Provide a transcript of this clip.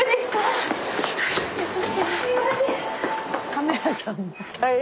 カメラさん大変。